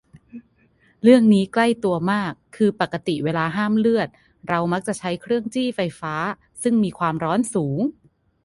เรื่องนี้ใกล้ตัวมาก คือปกติเวลาห้ามเลือดเรามักจะใช้เครื่องจี้ไฟฟ้า ซึ่งมีความร้อนสูง